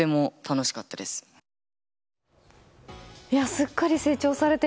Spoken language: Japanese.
すっかり成長されて。